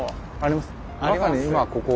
まさに今ここ。